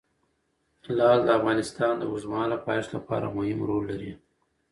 لعل د افغانستان د اوږدمهاله پایښت لپاره مهم رول لري.